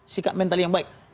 sikap mental yang baik